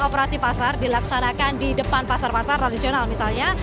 operasi pasar dilaksanakan di depan pasar pasar tradisional misalnya